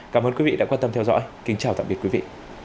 cảm ơn quý vị đã quan tâm theo dõi kính chào tạm biệt quý vị